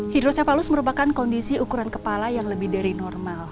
hidrosefalus merupakan kondisi ukuran kepala yang lebih dari normal